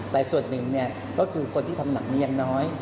แต่ส่วนหนึ่งก็คือคนที่ทำหนังอย่างน้อย